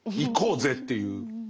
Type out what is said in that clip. いこうぜっていう。